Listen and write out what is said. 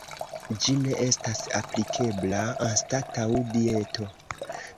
Ĝi ne estas aplikebla anstataŭ dieto.